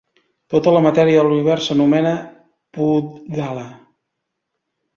Tota la matèria de l'univers s'anomena Pudgala.